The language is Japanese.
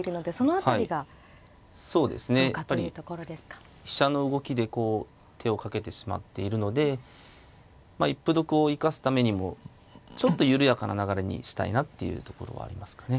やっぱり飛車の動きでこう手をかけてしまっているので一歩得を生かすためにもちょっと緩やかな流れにしたいなっていうところはありますかね。